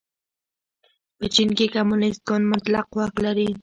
په چین کې کمونېست ګوند مطلق واک لري.